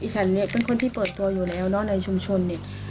ฉันเป็นคนที่เปิดตัวอยู่แล้วในชุมชน